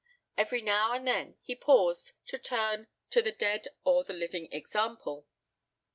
Every now and then he paused, to turn to the dead or the living example.